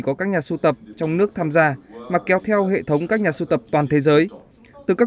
có các nhà sưu tập trong nước tham gia mà kéo theo hệ thống các nhà sưu tập toàn thế giới từ các